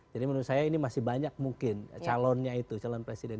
menurut saya ini masih banyak mungkin calonnya itu calon presiden